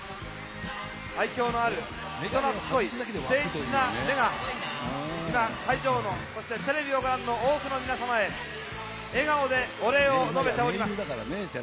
愛きょうのある人なつっこい誠実な目が、今、会場の、そしてテレビをご覧の多くの皆様へ、笑顔でお礼を述べております。